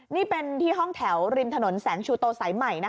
นี่เป็นที่ห้องแถวริมถนนแสงชูโตสายใหม่